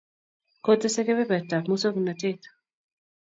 kotesei kebebertab musongnotet